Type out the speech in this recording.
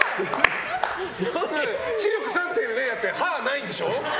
視力３．０で歯はないんでしょ。